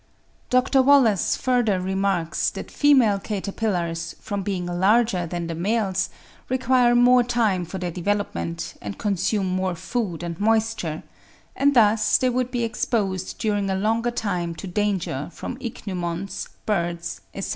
Dr. Wallace further remarks that female caterpillars, from being larger than the males, require more time for their development, and consume more food and moisture: and thus they would be exposed during a longer time to danger from ichneumons, birds, etc.